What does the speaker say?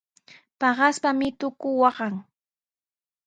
Paqaspami tuku waqan.